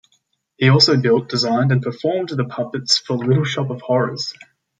He also built, designed, and performed the puppets for "Little Shop of Horrors".